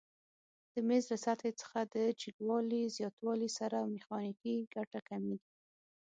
د میز له سطحې څخه د جګوالي زیاتوالي سره میخانیکي ګټه کمیږي؟